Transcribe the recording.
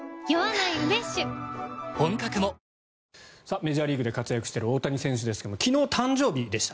メジャーリーグで活躍している大谷選手ですけれど昨日、誕生日でした。